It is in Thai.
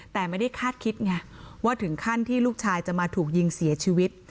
แต่ไม่ได้คาดคิดไงว่าถึงขั้นที่ลูกชายจะมาถูกยิงเสียชีวิต